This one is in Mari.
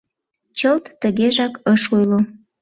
— Чылт тыгежак ыш ойло.